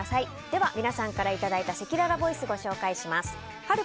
では、皆さんからいただいたせきららボイスご紹介します。